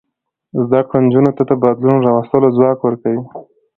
زده کړه نجونو ته د بدلون راوستلو ځواک ورکوي.